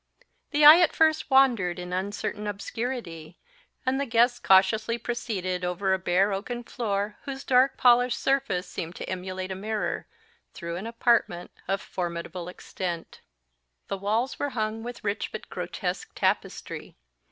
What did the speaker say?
The eye at first wandered in uncertain obscurity; and the guests cautiously proceeded over a bare oaken floor, whose dark polished surface seemed to emulate a mirror, through an apartment of formidable extent. The walls were hung with rich but grotesque tapestry.